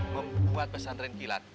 membuat pesantren gilat